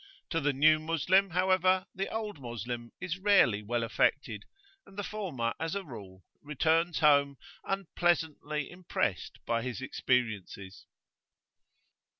To the "new Moslem," however, the old Moslem is rarely [p.xxiv] well affected; and the former, as a rule, returns home unpleasantly impressed by his experiences.